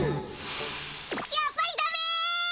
やっぱりダメ！